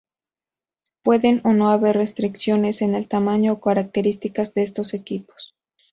Pueden o no haber restricciones en el tamaño o características de estos equipos.